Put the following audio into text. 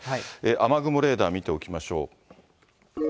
雨雲レーダー見ておきましょう。